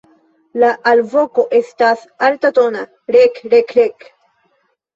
La alvoko estas altatona "rek-rek-rek".